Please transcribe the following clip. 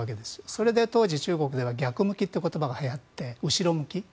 それで当時、中国では逆向きという言葉がはやって後ろ向き。